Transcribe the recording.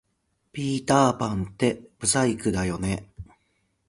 ピーターパンって不細工だよね